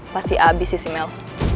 pasti abis sih si mel